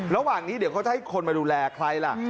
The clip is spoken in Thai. ระหว่างนี้เดี๋ยวเขาจะให้คนมาดูแลใครล่ะ